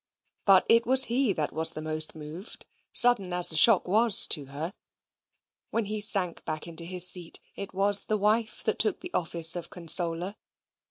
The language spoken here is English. But it was he that was the most moved, sudden as the shock was to her. When he sank back into his seat, it was the wife that took the office of consoler.